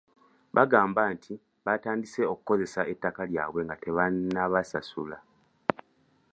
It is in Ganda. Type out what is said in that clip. Bagamba nti batandise okukozesa ettaka lyabwe nga tebannabasasula.